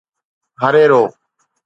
هريرو